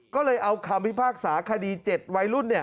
ก็เลยเอาคำพิพากษาคดี๗วัยรุ่น